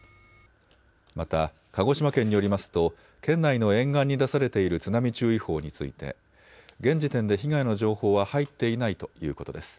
また鹿児島県によりますと県内の沿岸に出されている津波注意報について現時点で被害の情報は入っていないということです。